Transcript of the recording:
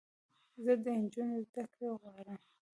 زه د انجونوو زدکړې غواړم